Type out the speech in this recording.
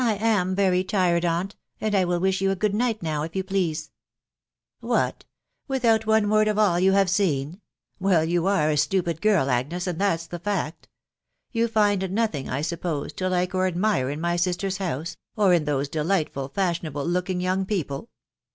1 am very tired, aunt, and I will wiah ^ou %oo& night now, if you please," THE WIDOW* BARNABT. 121 " What !..•. without one word of all you have seen ? Well, you are a stupid girl, Agnes, and that's the fact ... You find nothing, I suppose, to like or admire in my sister's house, or in those delightful, fashionable looking young people